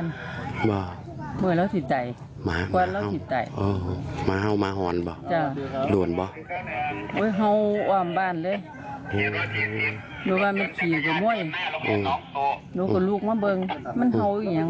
นางทั้งหอน